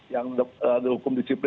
yang dihukum disiplin